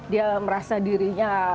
dia merasa dirinya